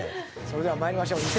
それでは参りましょう。